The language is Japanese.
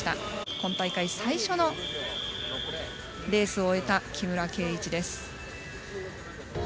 今大会最初のレースを終えた木村敬一です。